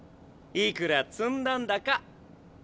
いくら積んだんだか。